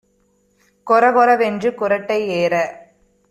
கொரகொர வென்று குறட்டை ஏற